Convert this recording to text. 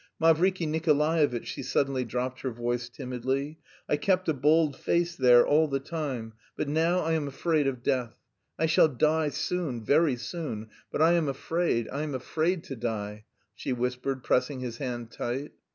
"Mavriky Nikolaevitch," she suddenly dropped her voice timidly, "I kept a bold face there all the time, but now I am afraid of death. I shall die soon, very soon, but I am afraid, I am afraid to die...." she whispered, pressing his hand tight.